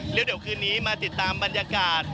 แล้วเดี๋ยวคืนนี้มาติดตามบรรยากาศ